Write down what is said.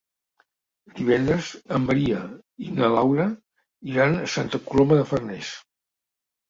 Divendres en Maria i na Laura iran a Santa Coloma de Farners.